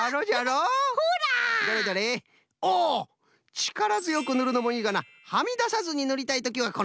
ちからづよくぬるのもいいがなはみださずにぬりたいときはこのね